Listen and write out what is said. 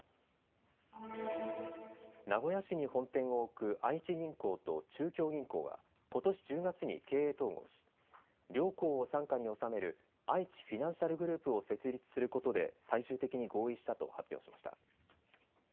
名古屋市に本店を置く愛知銀行と中京銀行はことし１０月に経営統合し両行を傘下に収めるあいちフィナンシャルグループを設立することで最終的に合意したと発表しました。